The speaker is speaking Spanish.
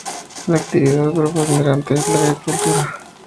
La actividad preponderante es la agricultura.